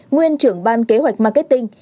nguyên trưởng ban kế hoạch marketing